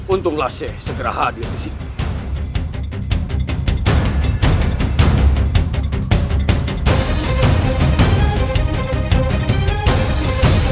untunglah segera hadir disini